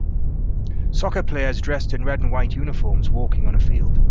Soccer players dressed in red and white uniforms walking on a field.